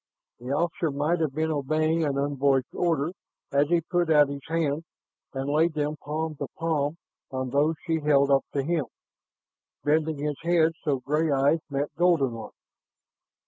The officer might have been obeying an unvoiced order as he put out his hands and laid them palm to palm on those she held up to him, bending his head so gray eyes met golden ones.